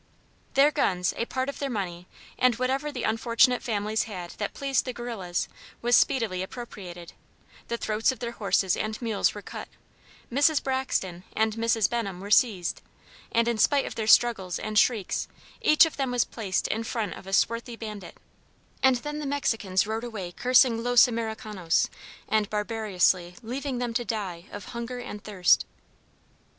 Their guns, a part of their money, and whatever the unfortunate families had that pleased the guerrillas, was speedily appropriated, the throats of their horses and mules were cut, Mrs. Braxton and Mrs. Benham were seized, and in spite of their struggles and shrieks each of them was placed in front of a swarthy bandit, and then the Mexicans rode away cursing "Los Americanos," and barbarously leaving them to die of hunger and thirst.